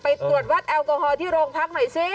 ตรวจวัดแอลกอฮอลที่โรงพักหน่อยสิ